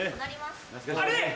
あれ！